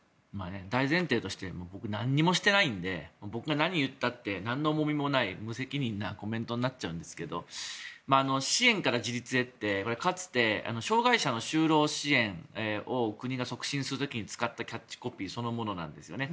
大前提として何もしてないんで僕が何言ったって何の重みもない無責任なコメントになっちゃうんですけど支援から自立へってかつて障害者の就労支援を国が促進する時に使ったキャッチコピーそのものなんですよね。